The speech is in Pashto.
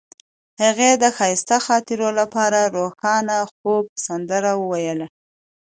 هغې د ښایسته خاطرو لپاره د روښانه خوب سندره ویله.